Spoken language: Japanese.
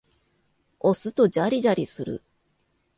押すとジャリジャリする。